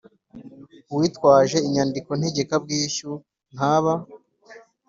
Uwitwaje inyandiko ntegekabwishyu ntaba